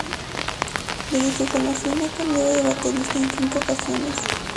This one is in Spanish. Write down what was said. Desde su formación, ha cambiado de baterista en cinco ocasiones.